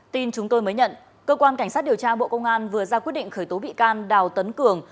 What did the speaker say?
tin chúng tôi mới nhận cơ quan cảnh sát điều tra bộ công an vừa ra quyết định khởi tố bị can đào tấn cường